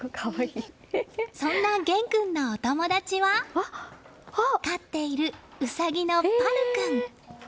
そんな玄君のお友達は飼っているウサギのぱる君。